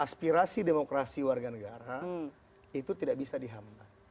aspirasi demokrasi warga negara itu tidak bisa dihamlah